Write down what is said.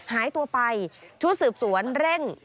หายตัวไปชุดสืบสวนเร่ง